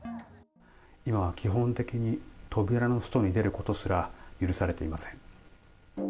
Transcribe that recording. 今、基本的に扉の外に出ることすら許されていません。